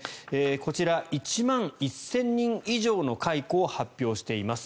こちら１万１０００人以上の解雇を発表しています。